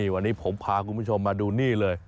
วันนี้ผมพาคุณผู้ชมมาดูนี่เลย